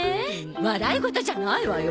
笑いごとじゃないわよ。